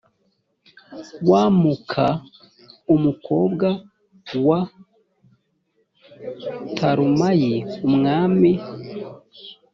wa m ka umukobwa wa talumayi umwami